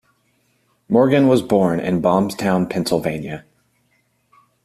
Morgan was born in Baumstown, Pennsylvania.